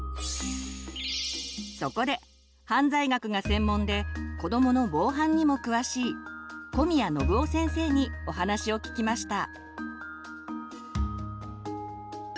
そこで犯罪学が専門で子どもの防犯にも詳しい小宮信夫先生にお話を聞きました。